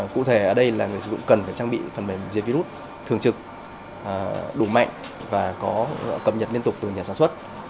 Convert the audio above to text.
cụ thể ở đây là người sử dụng cần phải trang bị phần mềm dây virus thường trực đủ mạnh và có cập nhật liên tục từ nhà sản xuất